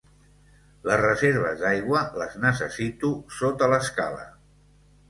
Les reserves d'aigua, les necessito sota l'escala.